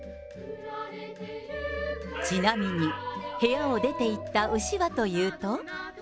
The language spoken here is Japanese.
ちなみに、部屋を出ていった牛はというと。